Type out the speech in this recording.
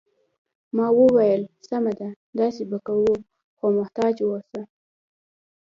ما وویل: سمه ده، داسې به کوو، خو محتاط اوسه.